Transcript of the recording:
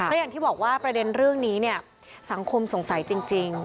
และอย่างที่บอกว่าประเด็นเรื่องนี้เนี่ยสังคมสงสัยจริง